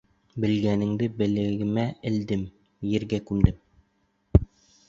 Белгәнеңде беләгемә элдем, ергә күмдем.